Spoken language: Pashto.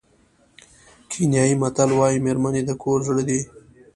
کینیايي متل وایي مېرمنې د کور زړه دي.